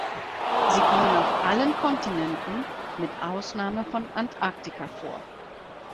Sie kommen auf allen Kontinenten mit Ausnahme von Antarktika vor.